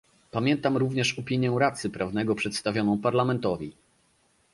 Pamiętam również opinię radcy prawnego przedstawioną Parlamentowi